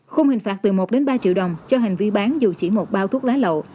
khung hình phạt từ một đến ba triệu đồng cho hành vi bán dù chỉ một bao thuốc lá lậu